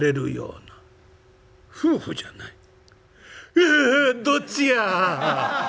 ううっどっちや！」。